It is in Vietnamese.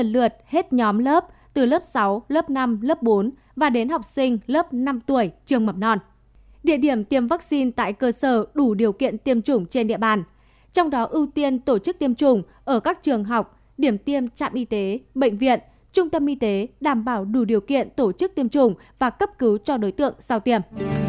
cụ thể kế hoạch dự kiến triển khai tiêm vaccine tại cơ sở đủ điều kiện tiêm chủng trên địa bàn trong đó ưu tiên tổ chức tiêm chủng ở các trường học điểm tiêm trạm y tế bệnh viện trung tâm y tế đảm bảo đủ điều kiện tổ chức tiêm chủng và cấp cứu cho đối tượng sau tiêm